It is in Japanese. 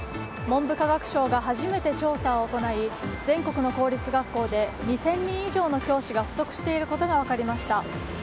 文部科学省が初めて調査を行い全国の公立学校で２０００人以上の教師が不足していることが分かりました。